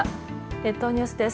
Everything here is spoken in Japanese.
列島ニュースです。